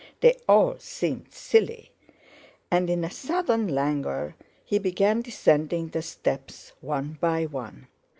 They all seemed silly, and in a sudden languor he began descending the steps one by one.